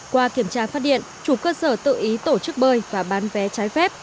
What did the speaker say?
qua kiểm tra phát điện chủ cơ sở tự ý tổ chức bơi và bán vé trái phép